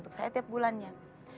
untuk saya tiap bulannya